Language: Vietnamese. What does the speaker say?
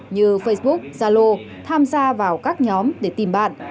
như facebook zalo tham gia vào các nhóm để tìm bạn